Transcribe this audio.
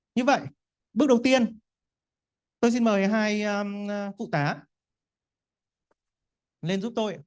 như vậy bước đầu tiên tôi xin mời hai phụ tá lên giúp tôi